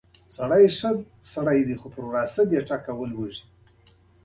بریدمن ته مې وویل: کور دې ودان.